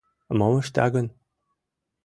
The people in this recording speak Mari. Мом ышта гын?